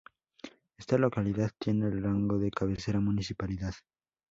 Esta localidad tiene el rango de cabecera municipal.